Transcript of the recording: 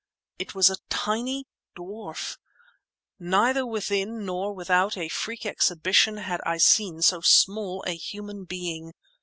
It was a tiny dwarf! Neither within nor without a freak exhibition had I seen so small a human being!